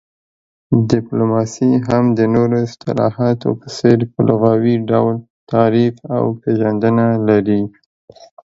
ډيپلوماسي هم د نورو اصطلاحاتو په څير په لغوي ډول تعريف او پيژندنه لري